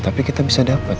tapi kita bisa dapet